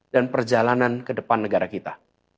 dan perjalanan ke depan negara kita